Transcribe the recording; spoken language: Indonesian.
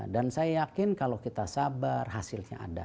dan saya yakin kalau kita sabar hasilnya ada